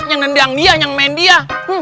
yang nendang dia yang main dia